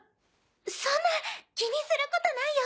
そんな気にすることないよ。